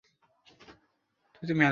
ওদের ধরে ফেলল কী করে?